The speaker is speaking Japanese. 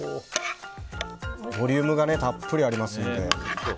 ボリュームがたっぷりありますので。